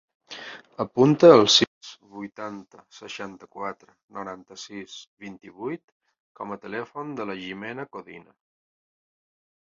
Apunta el sis, vuitanta, seixanta-quatre, noranta-sis, vint-i-vuit com a telèfon de la Jimena Codina.